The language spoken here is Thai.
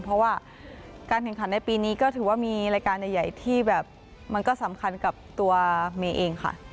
เพราะว่าการแข่งขันในปีนี้ก็ถือว่ามีรายการใหญ่ที่แบบมันก็สำคัญกับตัวเมย์เองค่ะ